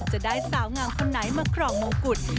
จะได้สาวงามคนไหนมาครองมงกุฎ